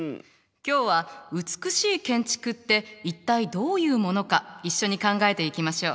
今日は美しい建築って一体どういうものか一緒に考えていきましょう。